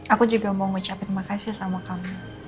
aku juga mau ngucapin makasih sama kamu